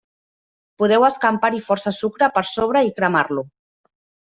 Podeu escampar-hi força sucre per sobre i cremar-lo.